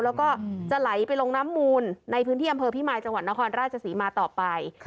แล้วก็จะไหลไปลงน้ำมูลในพื้นที่อำเภอพิมายจังหวัดนครราชศรีมาต่อไป